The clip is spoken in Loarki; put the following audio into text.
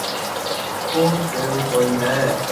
ڪوڻ ڪيرو ڪوئي ھي